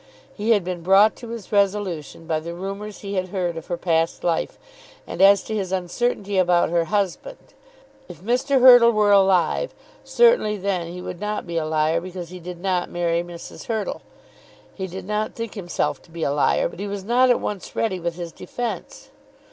He had been brought to his resolution by the rumours he had heard of her past life, and as to his uncertainty about her husband. If Mr. Hurtle were alive, certainly then he would not be a liar because he did not marry Mrs. Hurtle. He did not think himself to be a liar, but he was not at once ready with his defence.